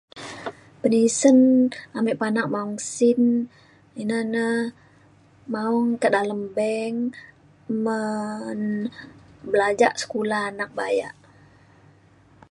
penisen ame panak maong sin ina na maong kak dalem bank men belajak sekula anak bayak.